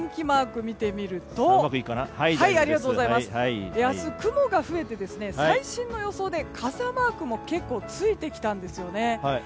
マークを見てみると明日、雲が増えて最新の予想で傘マークも結構ついてきたんですよね。